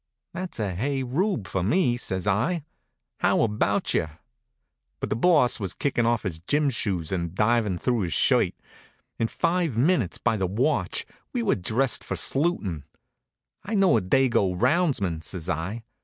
"That's a Hey Rube for me," says I. "How about cher?" But the Boss was kicking off his gym. shoes and divin' through his shirt. In five minutes by the watch we were dressed for slootin'. "I know a Dago roundsman " says I.